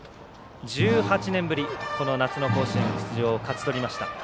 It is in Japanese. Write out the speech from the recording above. １８年ぶり夏の甲子園出場を勝ち取りました。